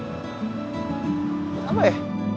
buat apa ya